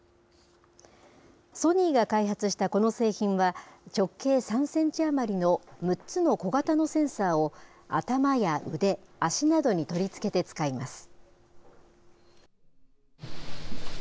ソニーが開発したこの製品は、直径３センチ余りの６つの小型のセンサーを、頭や腕、足などに取り付けて使います。